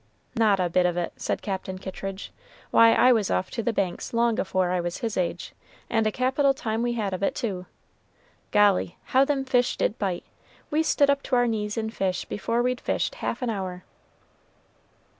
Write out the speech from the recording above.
"Not a bit of it," said Captain Kittridge. "Why, I was off to the Banks long afore I was his age, and a capital time we had of it, too. Golly! how them fish did bite! We stood up to our knees in fish before we'd fished half an hour."